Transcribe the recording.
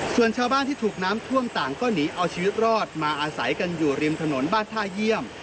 ส่วนชาวบ้านที่ถูกน้ำท่วมต่างก็หนีเอาชีวิตรอดมาอาศัยกันอยู่ริมถนนบ้านท่าเยี่ยม